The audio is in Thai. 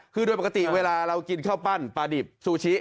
คือโดยปกติเวลาเรากินข้าวปั้นปลาดิบซูชิ